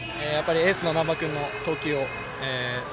エースの難波君の投球を。